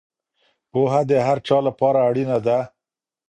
پوهه د هر چا لپاره اړینه ده.